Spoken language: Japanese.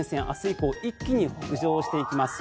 以降一気に北上していきます。